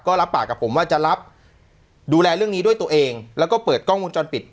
ก็รับปากกับผมว่าจะรับดูแลเรื่องนี้ด้วยตัวเองแล้วก็เปิดกล้องวงจรปิด